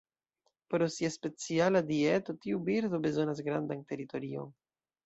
Pro sia speciala dieto, tiu birdo bezonas grandan teritorion.